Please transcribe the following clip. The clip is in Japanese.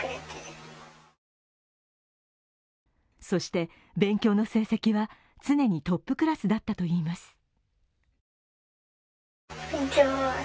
そして勉強の成績は常にトップクラスだったといいます。